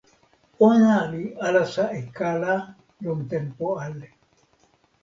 ona li alasa e kala lon tenpo ale.